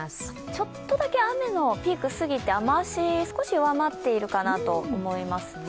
ちょっとだけ雨のピーク過ぎて雨足少し弱まっているかなと思います。